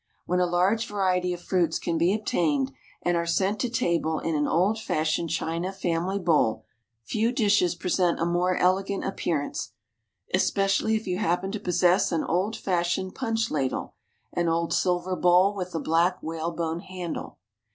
When a large variety of fruits can be obtained, and are sent to table in an old fashioned china family bowl, few dishes present a more elegant appearance, especially if you happen to possess an old fashioned punch ladle, an old silver bowl with a black whalebone handle.